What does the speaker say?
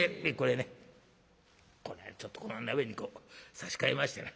これはちょっとこの鍋にこう差し替えましてな。